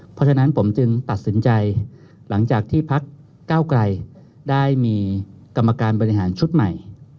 เพราะฉะนั้นผมจึงตัดสินใจหลังจากที่พักเก้าไกลได้มีกรรมการบริหารชุดใหม่